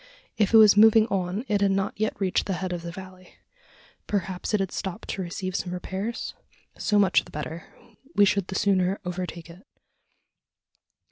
If it was moving on, it had not yet reached the head of the valley. Perhaps it had stopped to receive some repairs? So much the better: we should the sooner overtake it.